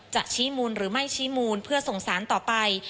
จะชี้มูลหรือไม่ชี้มูลเพื่อส่งสารต่อไป